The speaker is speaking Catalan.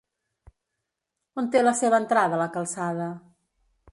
On té la seva entrada la calçada?